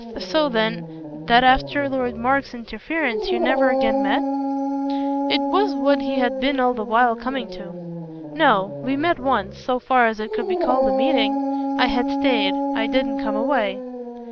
"So then that after Lord Mark's interference you never again met?" It was what he had been all the while coming to. "No; we met once so far as it could be called a meeting. I had stayed I didn't come away."